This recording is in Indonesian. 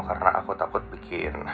karena aku takut bikin